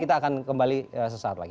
kita akan kembali sesaat lagi